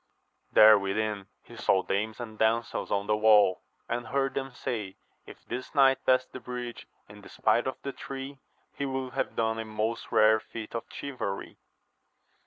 There within he saw dames and damsels on the wall, and heard them say, if this knight pass the bridge in despite of the three, he will have done a most rare feat of chivalry.